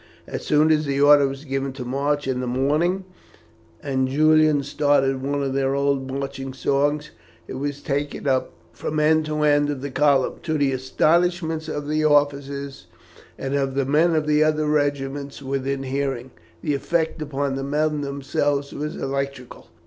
As soon as the order was given to march in the morning, and Julian started one of their old marching songs, it was taken up from end to end of the column, to the astonishment of the officers and of the men of other regiments within hearing. The effect upon the men themselves was electrical.